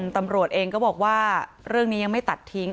ตำรวจเองก็บอกว่าเรื่องนี้ยังไม่ตัดทิ้ง